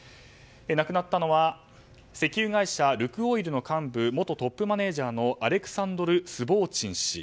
亡くなったのは石油会社ルクオイルの元トップマネジャーのアレクサンドル・スボーチン氏。